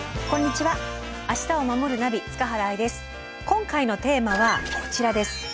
今回のテーマはこちらです。